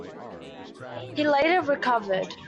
He later recovered.